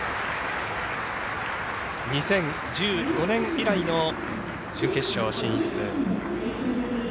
２０１５年以来の準決勝進出。